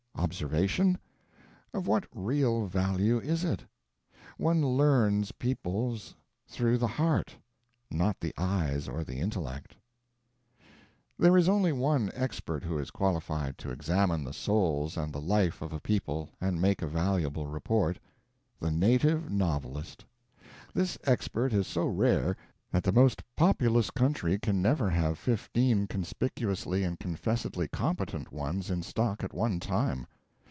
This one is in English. Observation? Of what real value is it? One learns peoples through the heart, not the eyes or the intellect. There is only one expert who is qualified to examine the souls and the life of a people and make a valuable report the native novelist. This expert is so rare that the most populous country can never have fifteen conspicuously and confessedly competent ones in stock at one time.